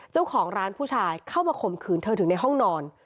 เจ้าของร้านผู้ชายเข้ามาข่มขืนเธอถึงในห้องนอน